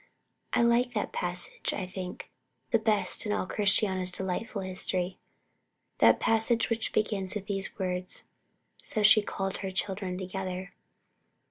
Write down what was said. I like that passage, I think, the best in all Christiana's delightful history that passage which begins with these words: "So she called her children together."